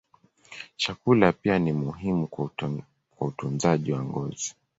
Chakula pia ni muhimu kwa utunzaji wa ngozi.